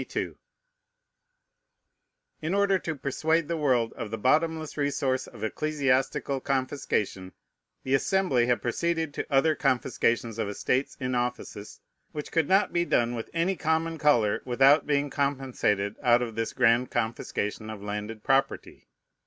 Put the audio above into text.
In order to persuade the world of the bottomless resource of ecclesiastical confiscation, the Assembly have proceeded to other confiscations of estates in offices, which could not be done with any common color without being compensated out of this grand confiscation of landed property.